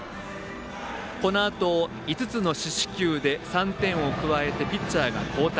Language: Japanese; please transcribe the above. このあと５つの四死球で３点を加えてピッチャーが交代。